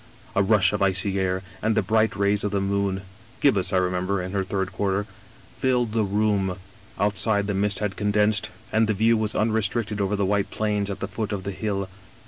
A rush of icy air, and the bright rays of the moon — ^gibbous, I remember, in her third quarter — ^filled the room. Outside the mist had condensed, and the view was^ unrestricted over the white plains at the foot of the hill.